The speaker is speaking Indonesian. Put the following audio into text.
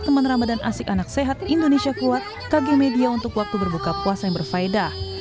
teman ramadhan asik anak sehat indonesia kuat kage media untuk waktu berbuka puasa yang berfaedah